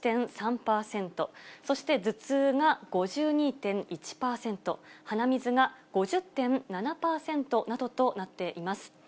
そして頭痛が５２．１％、鼻水が５０．７％などとなっています。